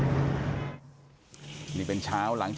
มันนี่เอากุญแจมาล้อมมันนี่อ่ะ